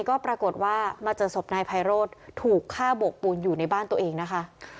ก็ปรากฏว่ามาเจอศพนายไพโรธถูกฆ่าโบกปูนอยู่ในบ้านตัวเองนะคะ